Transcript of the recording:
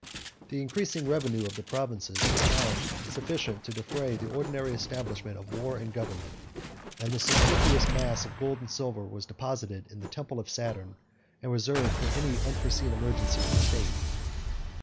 83 The increasing revenue of the provinces was found sufficient to defray the ordinary establishment of war and government, and the superfluous mass of gold and silver was deposited in the temple of Saturn, and reserved for any unforeseen emergency of the state.